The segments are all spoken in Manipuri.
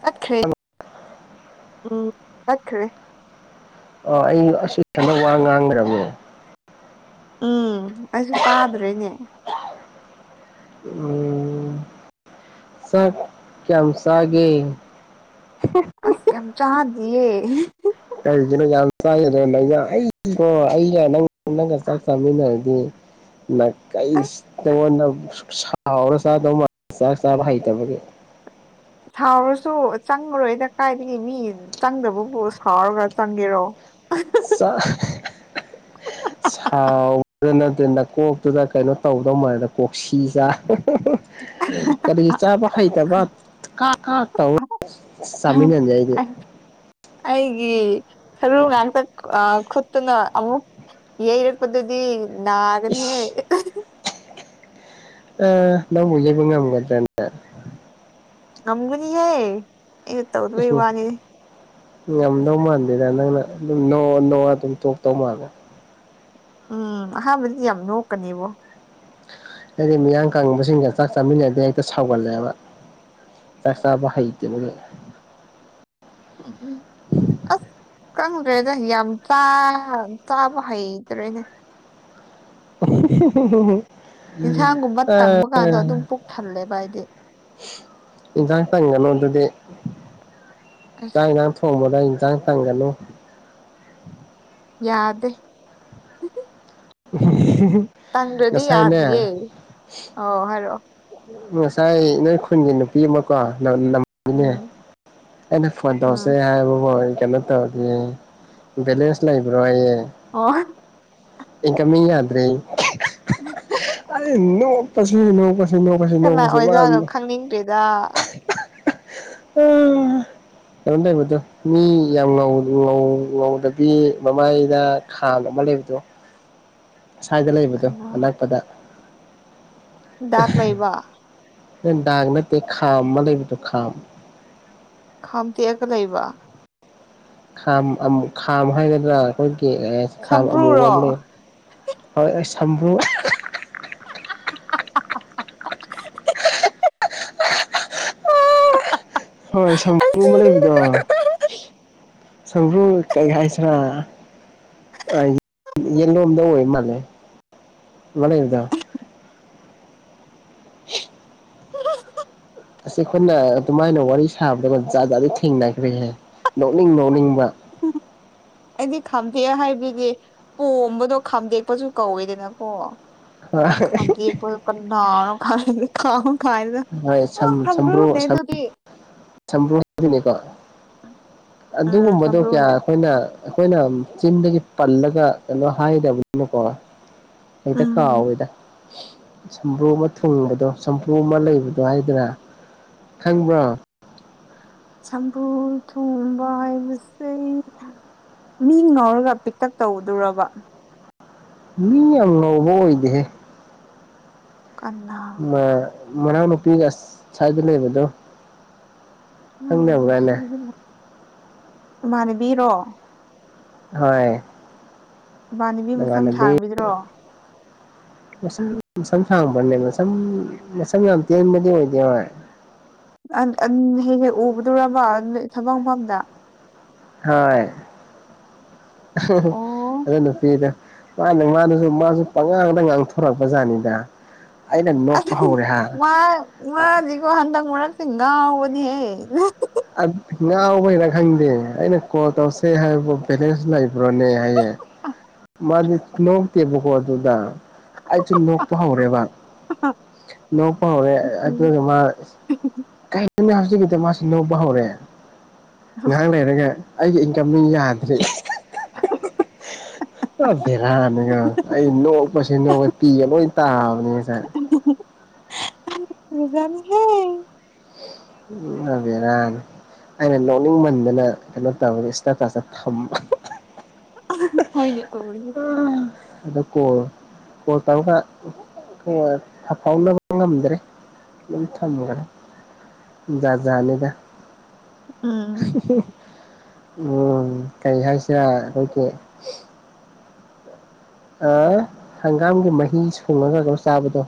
ꯆꯈ꯭ꯔꯦ ꯎꯝ ꯆꯈ꯭ꯔꯦ ꯑ ꯑꯩ ꯑꯁꯤ ꯊꯅ ꯋꯥ ꯉꯥꯡꯂꯩꯔꯝꯃꯦ ꯎꯝ ꯑꯩꯁꯨ ꯇꯥꯗ꯭ꯔꯦꯅꯦ ꯎꯝ ꯆꯥꯛ ꯀꯌꯥꯝ ꯁꯒꯦ ꯑꯁ ꯌꯥꯝ ꯆꯥꯗꯦꯌꯦ ꯀꯩꯒꯤꯅꯣ [unintelligible] ꯅꯪꯒꯥ ꯆꯥꯛ ꯆꯥꯃꯤꯅꯔꯗꯤ ꯑꯁ [unintelligible] ꯁꯥꯎꯔ ꯆꯥꯗꯧ ꯃꯥ ꯆꯥꯛ ꯆꯥꯕ ꯍꯩꯇꯕꯒꯦ ꯁꯥꯎꯔꯁꯨ ꯆꯪꯉꯔꯣꯏꯗ ꯀꯥꯏꯗꯒꯤ ꯃꯤ ꯆꯪꯗꯕꯕꯨ ꯁꯥꯎꯔꯒ ꯆꯪꯒꯦꯔꯣ ꯁꯥ ꯁꯥꯎꯕꯗ ꯅꯠꯇ ꯅꯀꯣꯛꯇꯨꯗ ꯀꯩꯅꯣ ꯇꯧꯗꯧ ꯃꯥꯟꯗ ꯀꯣꯛꯁꯤ ꯆꯥ ꯀꯔꯤꯁꯨ ꯆꯥꯕ ꯍꯩꯇꯕ ꯀ ꯀ ꯇꯧ ꯆꯥꯃꯤꯟꯅꯖꯩ ꯑꯩꯒꯤ ꯁꯔꯨ ꯉꯥꯛꯇ ꯈꯨꯠꯇꯨꯅ ꯑꯃꯨꯛ ꯌꯩꯔꯛꯄꯗꯗꯤ ꯅꯥꯒꯅꯤꯍꯦ ꯑ ꯅꯪꯕꯨ ꯌꯩꯕꯥ ꯉꯝꯒꯗꯔ ꯉꯝꯒꯨꯅꯤ ꯍꯦꯏ ꯑꯩꯅꯥ ꯇꯧꯗꯕꯩ ꯋꯥꯅꯤ ꯉꯝꯗꯧ ꯃꯥꯟꯗꯦꯗ ꯅꯪꯅ ꯑꯗꯨꯝ ꯅꯣꯛ ꯅꯣ ꯑꯗꯨꯝ ꯇꯣꯛꯇꯧ ꯃꯥꯜꯂꯦ ꯎꯝ ꯑꯍꯥꯟꯕꯗꯤ ꯌꯥꯝ ꯅꯣꯛꯀꯅꯦꯕꯣ ꯍꯥꯏꯗꯤ ꯃꯤꯌꯥꯡ ꯀꯪꯉꯤꯕꯁꯤꯡꯒ ꯆꯥꯛ ꯆꯥꯃꯤꯟꯅꯗꯤ ꯍꯦꯛꯇ ꯁꯥꯎꯒꯠꯂꯦꯕ ꯇꯁꯥꯕ ꯍꯥꯏꯩꯇꯕꯦ [inaudible] ꯑꯁ ꯀꯪꯗ꯭ꯔꯦꯗ ꯌꯥꯝꯆꯥ ꯆꯥꯕ ꯍꯩꯇ꯭ꯔꯦꯅꯦ [unintelligible] ꯌꯦꯟꯁꯥꯡꯒꯨꯝꯕ ꯇꯪꯕ ꯀꯥꯟꯗꯣ ꯑꯗꯨꯝ ꯄꯨꯛ ꯊꯜꯂꯦꯕ ꯍꯥꯏꯗꯤ ꯏꯪꯖꯥꯡ ꯇꯪꯒꯅꯣ ꯑꯗꯨꯗꯤ ꯑꯁ ꯆꯥꯛ ꯊꯣꯡꯃꯗ ꯏꯟꯖꯥꯡ ꯇꯪꯒꯅꯨ ꯌꯥꯗꯦ [unintelligible] ꯇꯪꯗ꯭ꯔꯗꯤ ꯌꯥꯈꯤꯌꯦ ꯉꯁꯥꯏꯅꯦ ꯑꯣ ꯍꯥꯏꯔꯛꯑꯣ ꯉꯁꯥꯏ ꯅꯣꯏ ꯈꯨꯟꯒꯤ ꯅꯨ ꯄꯤꯃꯣꯀꯣ ꯅꯃꯅꯦ ꯎꯝ ꯑꯩꯅ ꯐꯣꯟ ꯇꯧꯔꯁꯦ ꯎꯝ ꯍꯥꯏꯕꯀꯣ ꯑꯩ ꯀꯩꯅꯣ ꯇꯧꯒꯦ ꯕꯦꯂꯦꯟꯁ ꯂꯩꯕ꯭ꯔꯣ ꯑꯩꯌꯦ ꯑꯣ ꯏ ꯀꯃꯤꯡ ꯌꯥꯗ꯭ꯔꯦ [unintelligible] ꯁꯤ ꯅꯣꯛꯀꯁꯤ ꯅꯣꯛꯀꯁꯦ ꯃꯥꯅꯣ ꯗꯦꯗꯥ [unintelligible] ꯀꯔꯣꯝ ꯂꯩꯕꯗꯣ ꯃꯤ ꯌꯥꯝ ꯉꯧ ꯉꯧ ꯉꯧꯗꯕꯤ ꯃꯃꯥꯏꯗ ꯈꯥꯝ ꯑꯃ ꯂꯩꯕꯗꯣ ꯁ꯭ꯋꯥꯏꯗ ꯂꯩꯕꯗꯣ ꯀꯅꯥ ꯑꯅꯛꯄꯗ ꯗꯥꯛ ꯂꯩꯕ ꯗꯥꯒ ꯅꯠꯇꯦ ꯈꯥꯝꯃ ꯂꯩꯕꯗꯣ ꯈꯥꯝ ꯈꯥꯝꯇꯦꯛꯑꯒ ꯂꯩꯕ ꯈꯥꯝ ꯈꯥꯝ ꯍꯥꯏꯒꯗ꯭ꯔꯥ ꯑꯩꯈꯣꯏꯒꯤ ꯈꯥꯝ ꯑꯃꯨꯕ ꯁꯝꯕ꯭ꯔꯨꯔꯣ ꯑꯃ ꯂꯩ ꯍꯣꯏ ꯑꯩ ꯁꯝꯕ꯭ꯔꯨ ꯍꯣꯏ ꯑꯩ ꯁꯪꯝꯕ꯭ꯔꯨ ꯑꯃ ꯁꯤꯔꯦ. ꯂꯩꯕꯗꯣ ꯁꯪꯝꯕ꯭ꯔꯨ ꯀꯩ ꯍꯥꯏꯁꯤꯔ ꯑ ꯌꯦꯠꯂꯣꯝꯗ ꯑꯣꯏ ꯃꯥꯅꯦ ꯑꯃ ꯂꯩꯕꯗꯣ [unintelligible] ꯑꯁꯤ ꯑꯩꯈꯣꯏꯅ ꯑꯗꯨꯃꯥꯏꯅ ꯋꯥꯔꯤ ꯁꯥꯕꯗ ꯖꯥꯠꯖꯗꯤ ꯊꯦꯡꯅꯈ꯭ꯔꯦꯍꯦ ꯅꯣꯛꯅꯤꯡ ꯅꯣꯛꯅꯤꯡꯕ ꯑꯩꯗꯤ ꯈꯥꯝꯗꯦꯛ ꯍꯥꯏꯕꯗꯨꯗꯤ ꯄꯣꯝꯕꯗꯣ ꯈꯥꯝꯗꯦꯛꯄꯁꯨ ꯀꯧꯋꯦꯗꯅꯀꯣ ꯑꯩ ꯈꯥꯝꯗꯦꯛꯄ ꯀꯅꯥꯅ ꯍꯣꯏ ꯁꯝ ꯈꯪꯗꯦ ꯁꯝꯕ꯭ꯔꯨ ꯁꯝ [unintelligible] ꯁꯝꯕ꯭ꯔꯨ ꯍꯥꯏꯕꯅꯤꯀꯣ ꯎꯝ ꯑꯗꯨꯒꯨꯝꯕꯗꯣ ꯀꯌꯥ ꯁꯝꯕ꯭ꯔꯨꯅꯦ ꯑꯩꯈꯣꯏꯅ ꯑꯩꯈꯣꯏꯅ ꯆꯤꯟꯗꯒꯤ ꯄꯜꯂꯒ ꯀꯩꯅꯣ ꯍꯥꯏꯗꯕꯅꯤꯅꯀꯣ ꯍꯦꯛꯇ ꯎꯝ ꯀꯥꯎꯋꯦꯗ ꯁꯝꯕ꯭ꯔꯨ ꯑꯃ ꯊꯨꯡꯕꯗꯣ ꯁꯝꯕ꯭ꯔꯨ ꯑꯃ ꯂꯩ [unintelligible] ꯍꯥꯏꯗ꯭ꯔꯥ ꯈꯪꯕ꯭ꯔꯣ ꯁꯝꯕ꯭ꯔꯨ ꯊꯣꯡꯕ ꯍꯥꯏꯕꯁꯦ ꯃꯤ ꯉꯧꯔꯒ ꯄꯤꯛꯇꯛ ꯇꯧꯕꯗꯨꯔꯣ ꯃꯤ ꯌꯥꯝꯅ ꯉꯧꯕ ꯑꯣꯏꯗꯦꯍꯦ ꯀꯅꯥ ꯃꯥ ꯃꯅꯥꯎ ꯅꯨꯄꯤꯒ ꯁꯥꯏꯗꯨ ꯂꯩꯕꯗꯨꯣ [unintelligible] ꯃꯥꯟꯅꯕꯤꯔꯣ ꯍꯣꯏ ꯏꯃꯥꯟꯅꯕꯤ ꯃꯁꯝ ꯅꯃꯥꯟꯅꯕꯤ ꯁꯥꯡꯕꯤꯗ꯭ꯔꯣ ꯃꯁꯝ ꯃꯁꯝ ꯁꯥꯡꯕꯅꯦ ꯃꯁꯝ ꯃꯁꯝ ꯌꯥꯝ ꯇꯦꯟꯕꯗꯤ ꯑꯣꯏꯗꯦ ꯍꯣꯢ ꯑꯟ ꯑꯟ ꯍꯦꯟꯅ ꯎꯕꯗꯨꯔꯕ ꯊꯕꯛ ꯃꯐꯝꯗ ꯍꯣꯏ ꯑꯣ ꯑꯗꯨ ꯅꯨꯄꯤꯗꯣ ꯃꯥꯅ ꯃꯥꯅꯁꯨ ꯃꯥꯁꯨ ꯄꯉꯥꯡꯗ ꯉꯥꯡꯊꯣꯔꯛꯄ ꯖꯥꯠꯅꯤꯗ ꯑꯩꯅ ꯅꯣꯛꯄ ꯍꯧꯔꯦ ꯍꯥ ꯃꯥ ꯃꯥꯗꯤꯀꯣ ꯍꯟꯗꯛ ꯃꯔꯛꯇꯤ ꯉꯥꯎꯕꯅꯤꯍꯦ ꯉꯥꯎꯕꯩꯔ ꯈꯪꯗꯦ ꯑꯩꯅ ꯀꯣꯜ ꯇꯧꯁꯦ ꯍꯥꯏꯕꯕꯨ ꯚꯦꯂꯦꯟꯁ ꯂꯩꯕ꯭ꯔꯣꯅꯦ ꯍꯥꯏꯌꯦ ꯃꯥꯗꯤ ꯅꯣꯛꯇꯦꯕꯀꯣ ꯑꯗꯨꯗ ꯑꯩꯁꯨ ꯅꯣꯛꯄ ꯍꯧꯔꯦꯕ ꯂꯣꯛꯄ ꯍꯧꯔꯦ ꯑꯗꯨ ꯃꯥ ꯀꯔꯤꯅꯤ ꯍꯧꯖꯤꯛꯀꯤꯗ ꯃꯥꯁꯤ ꯅꯧꯕ ꯍꯧꯔꯛꯑꯦ ꯉꯥꯏꯍꯥꯛ ꯂꯩꯔꯒ ꯑꯩꯒꯤ ꯏꯟꯀꯝꯗꯤ ꯌꯥꯗ꯭ꯔꯦ [inaudible] ꯦꯔꯥꯅꯤꯒ ꯑꯩ ꯅꯣꯛꯄꯁꯤ ꯅꯣꯛ ꯄꯤꯒ ꯂꯣꯏ ꯅꯤ ꯖꯅꯤꯍꯦ ꯎ ꯑꯚꯔꯥ ꯑꯩꯅ ꯂꯧꯅꯤꯡꯃꯟꯗꯅ ꯀꯩꯅꯣ ꯇꯧꯔꯒ ꯏꯟꯁꯇꯥ ꯀ꯭ꯂꯥꯁꯇ ꯊ ꯍꯣꯏꯅ ꯇꯧꯕꯒꯦ ꯑꯗ ꯀꯣꯜ ꯀꯣꯜ ꯇꯧꯔꯒ ꯐꯥꯎꯅꯕ ꯉꯝꯗ꯭ꯔꯦ ꯑꯗꯨꯝ ꯊꯝꯒ꯭ꯔꯦ ꯖꯥꯠ ꯖꯥꯠꯅꯤꯗ ꯎꯝ [unintelligible] ꯎꯝ ꯀꯩꯁꯥꯡ ꯆꯥꯢ ꯅꯣꯏꯗꯤ ꯑ ꯍꯪꯒꯥꯝꯒꯤ ꯃꯍꯤ ꯁꯨꯡꯉꯒ ꯑꯗꯨꯝ ꯆꯥꯕꯗꯣ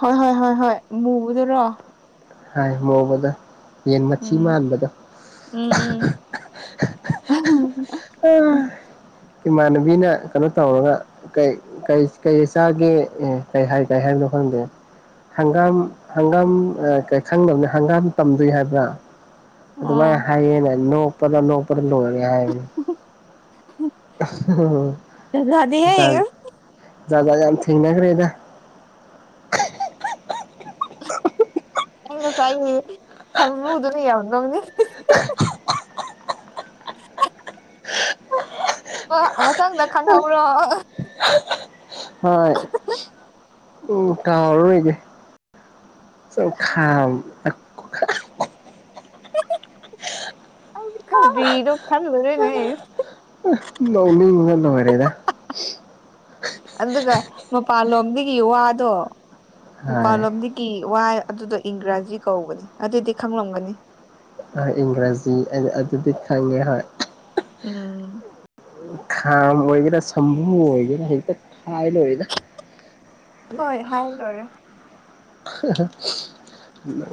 ꯍꯣꯏ ꯍꯣꯏ ꯍꯣꯏ ꯍꯣꯏ ꯃꯨꯕꯗꯨꯔꯣ ꯍꯥꯏ ꯃꯨꯕꯗꯣ ꯌꯦꯟ ꯃꯊꯤ ꯎꯝ ꯃꯥꯟꯕꯗꯣ ꯎꯝ ꯎꯝ [unintelligible] ꯏꯃꯥꯟꯅꯕꯤꯅ ꯀꯩꯅꯣ ꯇꯧꯔꯒ ꯀꯩ ꯀꯩ ꯀꯩꯆꯥꯒꯦ ꯑꯦ ꯀꯩ ꯍꯥꯏ ꯀꯥꯏ ꯍꯥꯏꯕꯅꯣ ꯈꯪꯗꯦ ꯍꯪꯒꯥꯝ ꯍꯪꯒꯥꯝ ꯈꯪꯗꯕꯅꯤ ꯍꯪꯒꯥꯝ ꯇꯝꯗꯣꯏ ꯍꯥꯏꯕ꯭ꯔꯥ ꯑꯗꯨ ꯃꯥꯥꯏ ꯑꯣ ꯍꯥꯏꯌꯦꯅ ꯅꯄꯗ ꯅꯄꯗ ꯂꯣꯏ ꯍꯥꯏ ꯎ ꯖ ꯌꯥꯝ ꯊꯦꯡꯅꯈ꯭ꯔꯦꯗ ꯑ ꯉꯁꯥꯏ ꯑꯩꯒꯤ ꯊꯃꯨꯗꯨꯅ ꯌꯍꯟꯕꯧꯅꯦ ꯑ ꯃ ꯆꯥꯡ ꯗ ꯈꯪ ꯍꯧꯕ꯭ꯔꯣ ꯍ ꯎ ꯀꯥꯎꯂꫭꯏꯒꯦ ꯁ ꯈꯥ ꯈꯔꯤ ꯂꯣꯛ ꯈꯪ ꯂꯅꯦ ꯃꯧꯃꯤꯅ ꯑꯣꯏꯔꯦꯗ ꯑꯗꯨꯒ ꯃꯄꯥꯟꯂꯣꯝꯗꯒꯤ ꯋꯥꯗꯣ ꯍꯥꯏ ꯃꯄꯥꯟꯂꯣꯝꯗꯒꯤ ꯋꯥ ꯑꯗꯨꯗꯣ ꯏꯪꯒ꯭ꯔꯥꯖꯤ ꯀꯧꯕꯧꯒꯅꯤ ꯑꯗꯨꯗꯤ ꯈꯪꯂꯝꯒꯅꯤ ꯍꯣꯏ ꯏꯪꯒ꯭ꯔꯥꯖꯤ ꯑꯗꯨꯗꯤ ꯈꯪꯉꯦ ꯍꯣꯏ ꯎꯝ ꯈꯝ ꯑꯣꯏꯒꯦꯔ ꯁꯝꯨ ꯑꯣꯏꯒꯦꯔ ꯍ ꯈꯥꯏ ꯂꯗ ꯍꯣꯏ ꯍꯥꯏꯕ ꯂꯣꯏꯔꯦ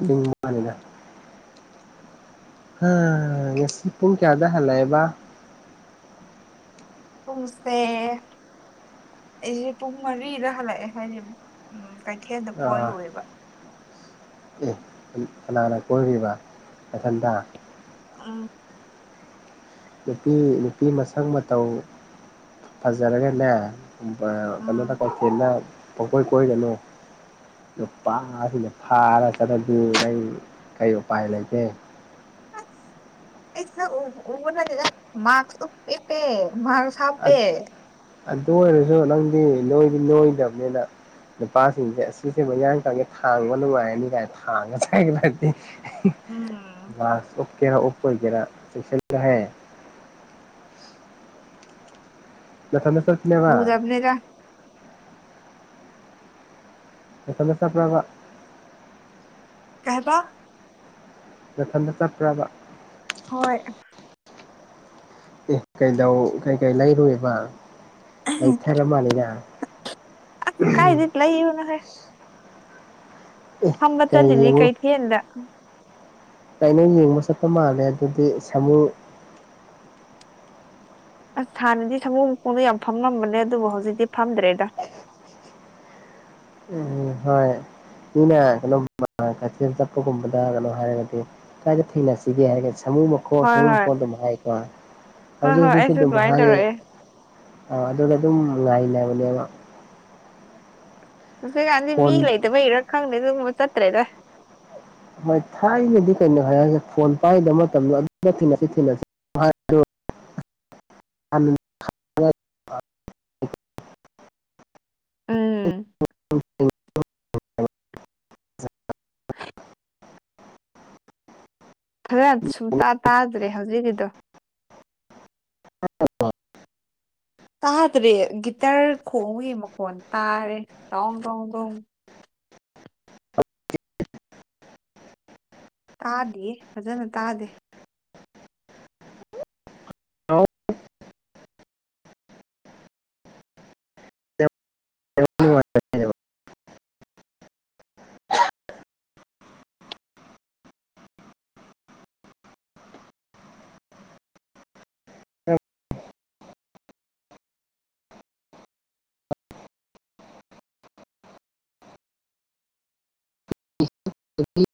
[inaudible] ꯅꯤꯗ ꯉꯁꯤ ꯄꯨꯡ ꯀꯌꯥꯗ ꯍꯜꯂꯛꯑꯦꯕ ꯄꯨꯡꯁꯦ ꯑꯩꯁꯦ ꯄꯨꯡ ꯃꯔꯤꯗ ꯍꯜꯂꯛꯑꯦ ꯍꯥꯏꯅꯦ ꯎꯝ ꯀꯩꯊꯦꯜꯗ ꯑꯥ ꯀꯣꯏꯔꯨꯔꯦꯕ ꯑꯦ ꯀꯅꯥꯅ ꯀꯣꯏꯔꯤꯕ ꯃꯊꯟꯊ ꯑ ꯅꯨꯄꯤ ꯅꯨꯄꯤ ꯃꯁꯪ ꯃꯇꯧ ꯐꯖꯔꯒꯅꯦ ꯀꯩꯅꯣ ꯇ ꯎꯝ ꯀꯣꯏꯁꯤꯦꯠꯅ ꯄꯣꯏ ꯀꯣꯏꯔꯅꯨ ꯅꯨꯄꯥ ꯑꯁꯤꯅ ꯐꯥꯔ ꯆꯠꯂꯗꯤ ꯑꯩ ꯀꯔꯤ ꯎꯄꯥꯏ ꯂꯩꯒꯦ ꯑꯩꯅ ꯁꯥꯛ ꯎꯕꯥ ꯅꯠꯇꯦꯗ ꯃꯁ ꯎꯄꯦ ꯃꯁ ꯑꯗꯨ ꯑꯣꯏꯔꯁꯨ ꯅꯪꯗꯤ ꯅꯣꯏꯗꯤ ꯅꯣꯏꯗꯕꯅꯤꯅ ꯅꯨꯄꯥꯁꯤꯡꯁꯦ ꯑꯁꯤꯁꯦ ꯃꯣꯏꯌꯥꯡ ꯆꯥꯡꯉꯦ ꯊꯥꯡꯕ ꯅꯨꯡꯉꯥꯏꯔꯅꯤ ꯀꯥꯏꯅ ꯊꯥꯡꯉ ꯆ ꯍꯥꯏꯒꯅꯠꯇꯦ ꯎꯝ ꯁ ꯑꯣꯀꯦꯔ ꯑꯣꯣ ꯀꯦꯔꯁ ꯍꯥꯏ ꯌꯥ ꯊ ꯁ ꯎꯗꯕꯅꯤꯔ ꯐꯗꯁ ꯄ꯭ꯔꯕ ꯀꯩꯗ ꯃꯊꯟꯗ ꯆꯠꯈ꯭ꯔꯕ ꯍꯣꯏ ꯀꯩꯗꯧ ꯀꯩꯀꯩ ꯂꯩꯔꯨꯏꯕ ꯂꯩꯥꯊꯔ ꯃꯥꯟꯅꯤꯅ ꯂꯩꯌꯨꯅ‌ꯣꯍꯦ ꯐꯝꯕ ꯀꯩ ꯆꯠꯂꯤꯅꯤ ꯌꯦꯡꯉꯨ ꯀꯩꯊ‌ꯦꯟꯗ ꯀꯩꯅ‌ꯣ ꯌꯦꯡꯕ ꯆꯠꯄ ꯃꯥꯜꯂꯦ ꯑꯗꯨꯗꯤ ꯁꯥꯃꯨ ꯑꯁ ꯍꯥꯟꯅꯗꯤ ꯁꯃꯨ ꯃꯈꯣꯡꯗ ꯌꯥꯝ ꯐꯝꯂꯝꯕꯅꯦ ꯑꯗꯨꯕꯨ ꯍꯧꯖꯤꯛꯇꯤ ꯐꯝꯗ꯭ꯔꯦꯗ ꯎꯝ ꯍꯣꯏ ꯃꯤꯅ ꯀꯩꯅꯣ ꯀꯛꯆꯤꯡꯦꯜ ꯆꯠꯄꯒꯨꯝꯕꯗ ꯀꯩꯅꯣ ꯍꯥꯏꯔꯒꯗꯤ ꯀꯏꯗ ꯊꯦꯡꯅꯁꯤꯒꯦ ꯍꯥꯏꯔꯒ ꯁꯥꯃꯨ ꯣ ꯍꯣꯏ ꯍꯣꯏ ꯁꯨꯣꯟꯗ ꯃꯍꯉꯥꯏꯀ ꯍꯣꯏ ꯍꯧꯁꯨ ꯍꯣꯏ ꯑꯩꯁꯨ ꯑꯗꯨꯃꯥꯏꯅ ꯥꯦ ꯇꯧꯔꯛꯑꯦ ꯑ ꯑꯗꯨꯗ ꯑꯗꯨꯝ ꯉꯥꯏꯕꯅꯦꯕ ꯍꯧꯖꯤꯛꯀꯥꯟꯗꯤ ꯃꯤ ꯐꯣꯟ ꯂꯩꯇꯕꯩꯔ ꯈꯪꯗꯦ ꯑꯗꯨꯕ ꯆꯠꯇ꯭ꯔꯦꯗ ꯍꯣꯏ ꯊꯥꯏꯅꯗꯤ ꯀꯩꯅꯣ ꯍꯥꯏꯁꯦ ꯐꯣꯟ ꯄꯥꯏꯒꯗꯕ ꯃꯇꯝꯗꯣ ꯑꯗꯨ ꯊꯁꯤ ꯊꯤꯁꯤ [inaudible] [inaudible] ꯎꯝ [inaudible] [unintelligible] ꯈꯔ ꯁꯨꯡꯇꯥ ꯇꯥꯗ꯭ꯔꯦ ꯍꯧꯖꯤꯛꯀꯤꯗꯣ [inaudible] ꯇꯥꯗ꯭ꯔꯦ ꯒꯤꯇꯥꯔ ꯈꯣꯡꯒꯤ ꯃꯈꯣꯟ ꯇꯥꯔꯦ ꯇ‌ꯣꯡ ꯇ‌ꯣꯡ ꯇꯣꯡ ꯇꯥꯗꯤꯌ‌ꯦ ꯐꯖꯅ ꯇꯥꯗꯦ [inaudible] [inaudible]